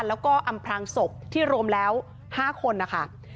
แล้วก็อำพลางศพที่รวมแล้ว๕คนนะคะ